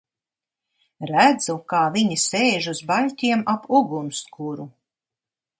Redzu, kā viņi sēž uz baļķiem ap ugunskuru.